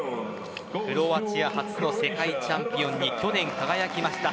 クロアチア初の世界チャンピオンに去年輝きました。